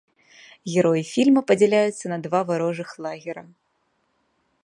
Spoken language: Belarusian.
Героі фільма падзяляюцца на два варожых лагера.